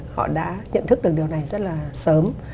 họ đã nhận thức được điều này rất là sớm